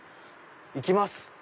行きます！